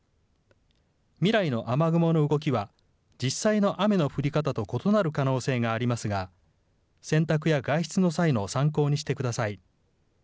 未来の雨雲の動きは、実際の雨の降り方と異なる可能性がありますが、洗濯や外出の際の参考にしてください。